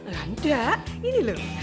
nanda ini loh